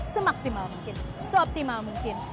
semaksimal mungkin seoptimal mungkin